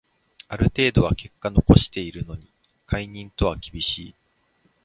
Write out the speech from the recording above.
ある程度は結果残してるのに解任とは厳しい